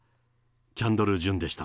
キャンドル・ジュンでした。